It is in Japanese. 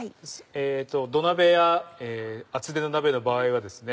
土鍋や厚手の鍋の場合はですね